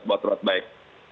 buat ride baik